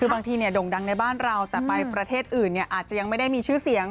คือบางทีด่งดังในบ้านเราแต่ไปประเทศอื่นอาจจะยังไม่ได้มีชื่อเสียง